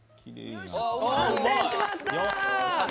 完成しました！